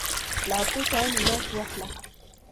له اتو شیانو لاس واخله.